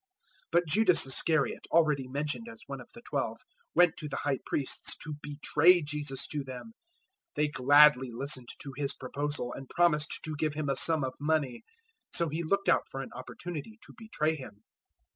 014:010 But Judas Iscariot, already mentioned as one of the Twelve, went to the High Priests to betray Jesus to them. 014:011 They gladly listened to his proposal, and promised to give him a sum of money. So he looked out for an opportunity to betray Him.